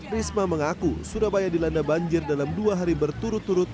risma mengaku surabaya dilanda banjir dalam dua hari berturut turut